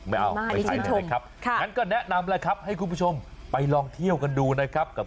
ไม่ใช่แบบนี้ครับงั้นก็แนะนำเลยครับให้คุณผู้ชมไปลองเที่ยวกันดูนะครับ